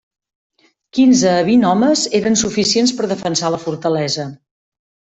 Quinze a vint homes eren suficients per defensar la fortalesa.